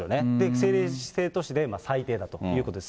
政令指定都市で最低だということです。